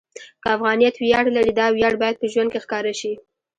که افغانیت ویاړ لري، دا ویاړ باید په ژوند کې ښکاره شي.